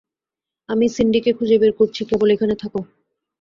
আমি সিন্ডি কে খুঁজে বের করছি, কেবল এখানে থাকো।